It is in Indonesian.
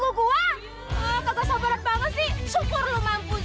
gua juga tunggu gua banget sih syukur lo mampus